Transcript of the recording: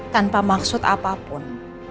tanpa maksud apapun